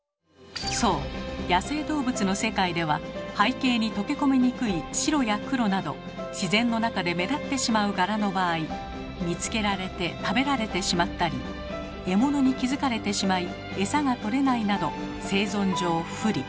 そう野生動物の世界では背景に溶け込みにくい白や黒など自然の中で目立ってしまう柄の場合見つけられて食べられてしまったり獲物に気付かれてしまい餌がとれないなど生存上不利。